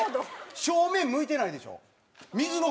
正面向いてないでしょ。